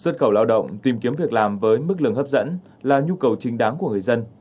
xuất khẩu lao động tìm kiếm việc làm với mức lương hấp dẫn là nhu cầu chính đáng của người dân